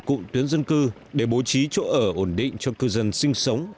cụm tuyến dân cư để bố trí chỗ ở ổn định cho cư dân sinh sống